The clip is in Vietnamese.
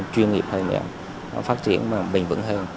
chuyên nghiệp hơn phát triển bình vẩn hơn